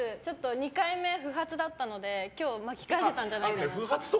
２回目、不発だったので今日巻き返せたんじゃないかなと。